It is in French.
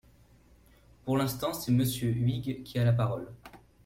Pour l’instant, c’est Monsieur Huyghe qui a la parole.